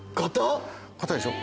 硬いでしょ。